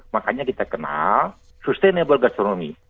makanya kita kenal sustainable gastronomy